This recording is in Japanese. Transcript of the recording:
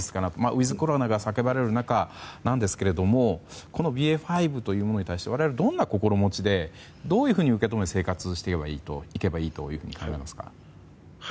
ウィズコロナが叫ばれる中なんですけれどもこのＢＡ．５というものに対して我々はどんな心持ちでどういうふうに受け止め生活していけばいいと思いますか。